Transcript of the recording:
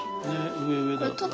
上上だから。